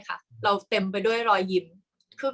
กากตัวทำอะไรบ้างอยู่ตรงนี้คนเดียว